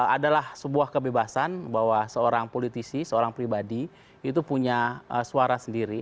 adalah sebuah kebebasan bahwa seorang politisi seorang pribadi itu punya suara sendiri